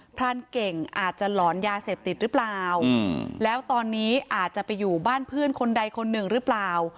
พรานเก่งอาจจะหลอนยาเสพติดหรือเปล่าแล้วตอนนี้อาจจะไปอยู่บ้านเพื่อนคนใดคนหนึ่งหรือเปล่า